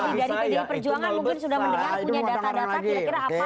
jadi dari pendiri perjuangan mungkin sudah mendengar punya data data kira kira apa